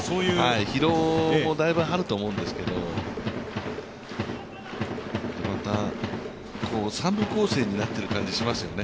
疲労も大分あると思うんですけど、３部構成になってる感じしますよね。